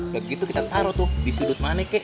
begitu kita taruh tuh di sudut mana kek